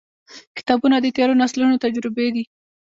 • کتابونه، د تیرو نسلونو تجربې دي.